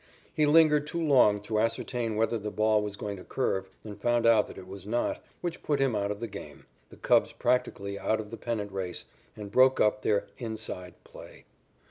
He lingered too long to ascertain whether the ball was going to curve and found out that it was not, which put him out of the game, the Cubs practically out of the pennant race, and broke up their "inside" play.